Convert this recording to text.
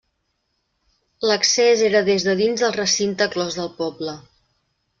L'accés era des de dins del recinte clos del poble.